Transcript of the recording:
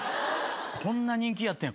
こんな人気やったんや。